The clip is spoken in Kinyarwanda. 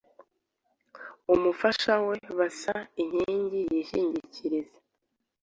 umufasha we basa, inkingi yishingikiriza.